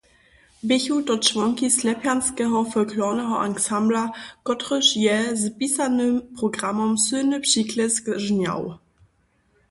Běchu to čłonki Slepjanskeho folklorneho ansambla, kotryž je z pisanym programom sylny přiklesk žnjał.